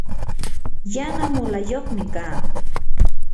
yana mulayuqmi kaa.